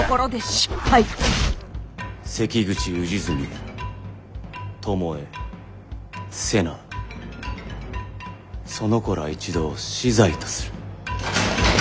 関口氏純巴瀬名その子ら一同死罪とする。